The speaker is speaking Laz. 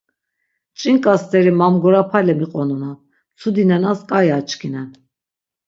Ç̆ink̆a steri mamgurapale miqonunan, mtsudi nenas k̆ai açkinen.